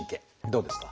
どうですか？